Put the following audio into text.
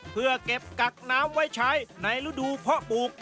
เพื่อเก็บกักน้ำไว้ใช้ในฤดูเพาะปลูก